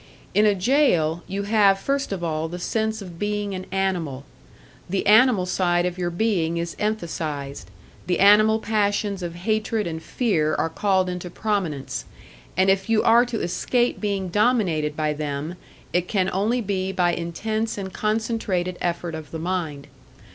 In a jail, you have first of all the sense of being an animal; the animal side of your being is emphasised, the animal passions of hatred and fear are called into prominence, and if you are to escape being dominated by them, it can only be by intense and concentrated effort of the mind.